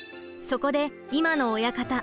そこで今の親方